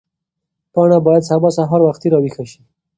پاڼه باید سبا سهار وختي راویښه شي.